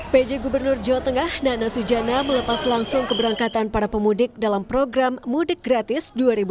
pj gubernur jawa tengah nana sujana melepas langsung keberangkatan para pemudik dalam program mudik gratis dua ribu dua puluh